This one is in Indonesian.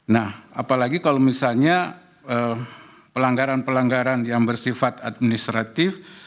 nah apalagi kalau misalnya pelanggaran pelanggaran yang bersifat administratif